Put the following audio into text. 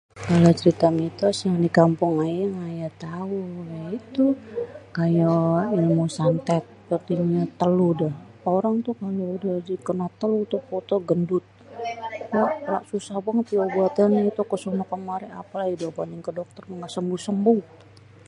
Kalo cerita mitos meh di kampung ayé meh ya tau yaitu kayé santet ame telu deh orang tuh kalo udéh kena teluh, peruteh gendut. We suseh banget diobatinnya ke sonoh ke marih apelagi diobatin kedokter meh kaga sembuh-sembuh.